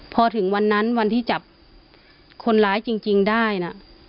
พอถึงวันนั้นวันที่จับคนร้ายจริงได้นะ